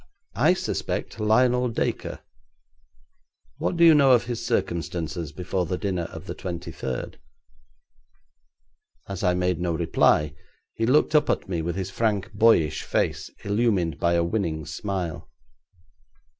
I suspect Lionel Dacre. What do you know of his circumstances before the dinner of the twenty third?' As I made no reply he looked up at me with his frank, boyish face illumined by a winning smile.